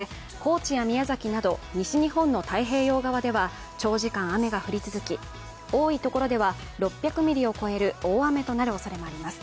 台風に向かって流れ込む湿った空気の影響で、高知や宮崎など西日本の太平洋側では長時間、雨が降り続き多いところでは６００ミリを超える大雨となるおそれがあります。